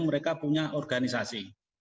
mereka punya organisasi